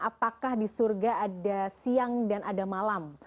apakah di surga ada siang dan ada malam